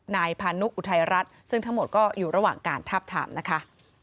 นายพานุอุทัยรัฐซึ่งทั้งหมดก็อยู่ระหว่างการทาบทามนะคะ